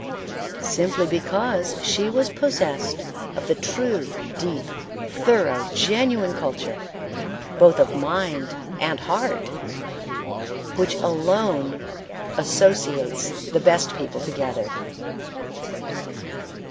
Simply because she was possessed of the true, deep, thorough genuine culture, both of mind and heart, which alone associates, the best people together.